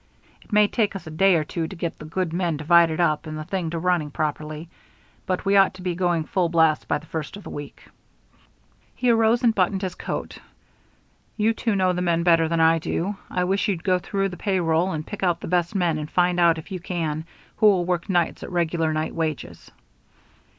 It may take us a day or two to get the good men divided up and the thing to running properly, but we ought to be going full blast by the first of the week." He arose and buttoned his coat. "You two know the men better than I do. I wish you'd go through the pay roll and pick out the best men and find out, if you can, who'll work nights at regular night wages."